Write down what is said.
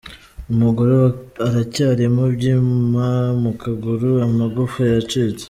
Umugore we aracyarimo ibyuma mu kaguru amagufa yacitse.